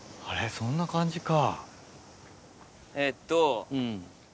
そんな感じか。